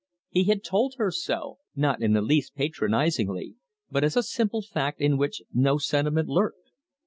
He had told her so, not in the least patronisingly, but as a simple fact in which no sentiment lurked.